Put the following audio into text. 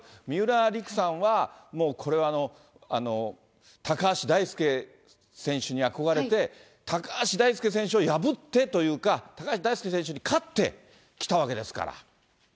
三浦璃来さんは、もうこれは高橋大輔選手に憧れて、高橋大輔選手を破ってというか、高橋大輔選手に勝ってきたわけですから。